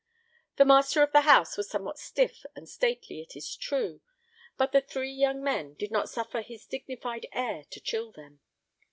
The master of the house was somewhat stiff and stately, it is true; but the three young men did not suffer his dignified air to chill them.